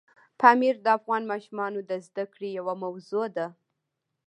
پامیر د افغان ماشومانو د زده کړې یوه موضوع ده.